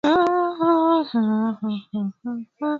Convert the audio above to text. inayoongoza kwa kuwa na idadi kubwa ya watu barani afrika